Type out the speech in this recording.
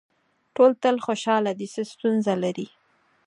ټول تل خوشاله دي څه ستونزه لري.